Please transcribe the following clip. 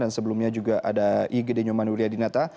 dan sebelumnya juga ada igd nyoman wiliadinata